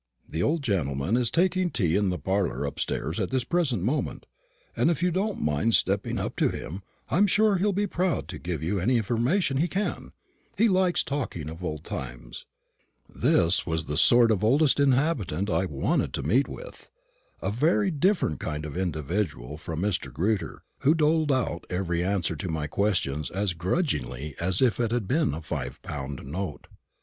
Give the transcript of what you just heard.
The old gentleman is taking tea in the parlour upstairs at this present moment, and if you don't mind stepping up to him, I'm sure he'll be proud to give you any information he can. He likes talking of old times." This was the sort of oldest inhabitant I wanted to meet with a very different kind of individual from Mr. Grewter, who doled out every answer to my questions as grudgingly as if it had been a five pound note.